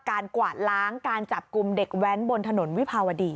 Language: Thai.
กวาดล้างการจับกลุ่มเด็กแว้นบนถนนวิภาวดี